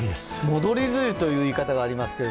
戻り梅雨という言い方があります。